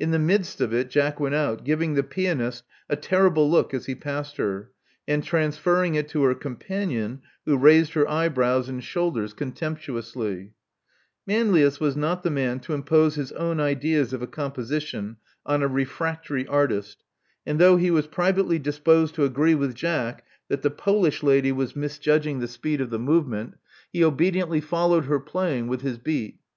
In the midst of it Jack went out, giving the pianist a terrible look as he passed her, and transferring it to her companion, who raised her eyebrows and shoulders contemptuously, Manlius was not the man to impose his own ideas of a composition on a refractory artist; and though he was privately disposed to agree with Jack that the Polish lady was misjudging the speed of the move Love Among the Artists 177 ment, he obediently followed her playing with his beat.